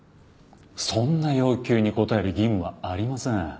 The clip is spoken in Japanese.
そんな要求に応える義務はありません。